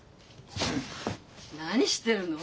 何してるの？